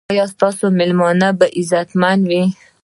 ایا ستاسو میلمانه به عزتمن وي؟